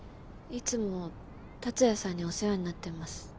いつも竜也さんにお世話になってます。